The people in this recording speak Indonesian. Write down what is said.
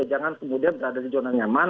jangan kemudian berada di zona nyaman